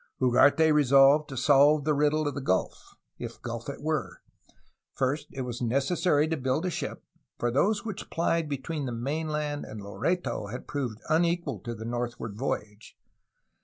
Ugarte resolved to solve the riddle of the gulf, if gulf it were. First it was necessary to build a ship, for those which plied between the mainland and Loreto had proved unequal to the northward voyage.